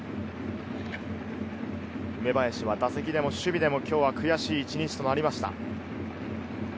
梅林は打席でも守備でも今日は悔しい一日となりました。